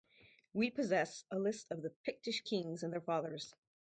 We possess a list of the Pictish kings and their fathers.